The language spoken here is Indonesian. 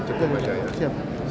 cukup aja ya